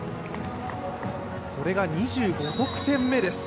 これが２５得点目です。